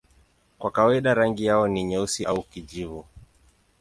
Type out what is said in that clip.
Kwa kawaida rangi yao ni nyeusi au kijivu.